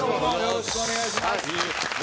よろしくお願いします。